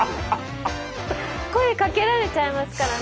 声かけられちゃいますからね。